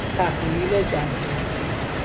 تقلیل جمعیت